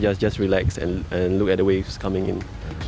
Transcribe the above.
dan hanya relaks dan melihat wawasan yang datang